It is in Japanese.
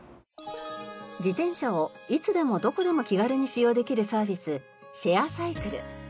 自転車をいつでもどこでも気軽に使用できるサービスシェアサイクル。